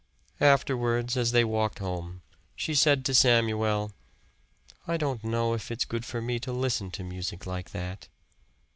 Afterwards, as they walked home, she said to Samuel, "I don't know if it's good for me to listen to music like that."